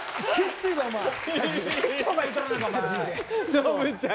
ノブちゃん